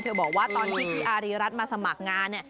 เธอบอกว่าตอนนี้อารีรัฐมาสมัครงาน